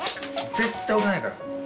絶対押さないから。